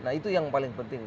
nah itu yang paling penting